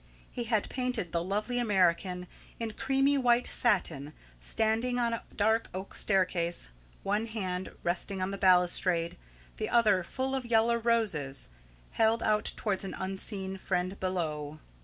He had painted the lovely American, in creamy white satin, standing on a dark oak staircase, one hand resting on the balustrade, the other, full of yellow roses, held out towards an unseen friend below.